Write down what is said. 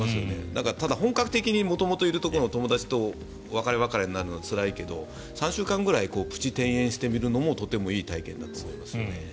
だから、本格的に元々いるところのお友達と別れ別れになるのはつらいけど３週間ぐらいプチ転園してみるのもいい体験ですよね。